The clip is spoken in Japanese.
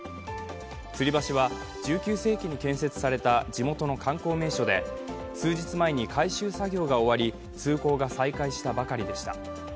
つり橋は１９世紀に建設された地元の観光名所で数日前に改修作業が終わり、通行が再開したばかりでした。